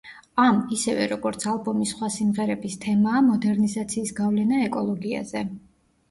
ამ, ისევე, როგორც ალბომის სხვა სიმღერების თემაა მოდერნიზაციის გავლენა ეკოლოგიაზე.